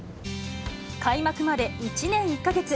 開幕まで１年１か月。